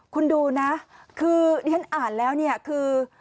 คุณดูนะคือที่ฉันอ่านแล้วเนี่ยคือ